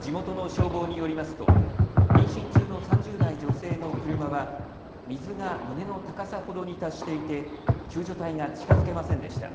地元の消防によりますと妊娠中の３０代女性の車は水が胸の高さほどに達していて救助隊が近づけませんでした。